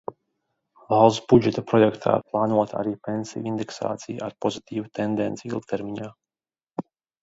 Valsts budžeta projektā plānota arī pensiju indeksācija ar pozitīvu tendenci ilgtermiņā.